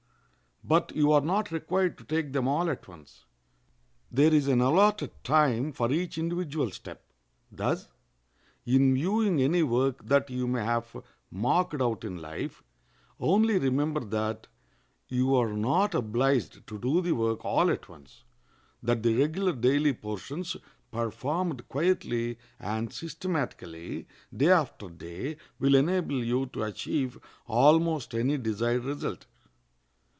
But you are not required to take them all at once; there is an allotted time for each individual step. Thus, in viewing any work that you may have marked out in life, only remember that you are not obliged to do the work all at once; that the regular daily portions performed quietly and systematically, day after day, will enable you to achieve almost any desired result.